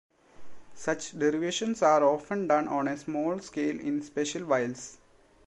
Such derivatizations are often done on a small scale in special vials.